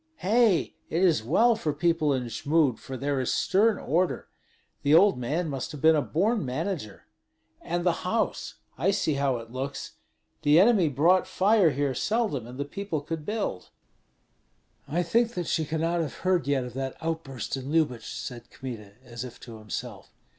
"Hei, it is well for people in Jmud; for there is stern order. The old man must have been a born manager. And the house, I see how it looks. The enemy brought fire here seldom, and the people could build." "I think that she cannot have heard yet of that outburst in Lyubich," said Kmita, as if to himself.